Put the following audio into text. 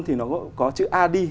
thì nó có chữ ad